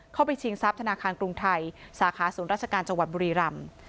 ไปชิงทรัพย์ธนาคารกรุงไทยสาขาศูนย์ราชการจังหวัดบุรีรำ